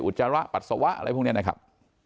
อุจจาระปัสสวะอะไรพวกเนี่ยนะครับ